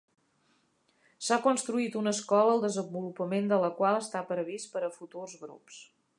S'ha construït una escola el desenvolupament de la qual està previst per a futurs grups.